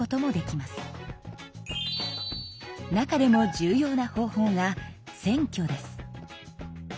中でも重要な方法が選挙です。